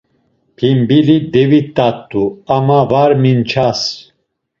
Pimpili devit̆at̆u ama var minças.